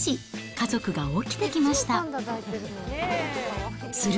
家族が起きてきました。